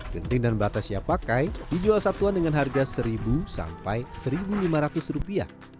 genting dan bata siap pakai dijual satuan dengan harga seribu sampai seribu lima ratus rupiah